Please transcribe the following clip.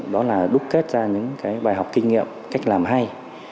đó là đúc kết ra những cái bài học kinh nghiệm cách làm hay